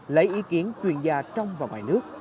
lấy ý kiến chuyên gia trong và ngoài nước